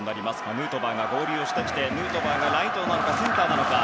ヌートバーが合流してきてヌートバーがライトかセンターなのか。